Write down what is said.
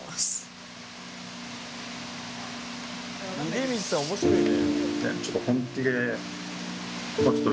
出光さん面白いね。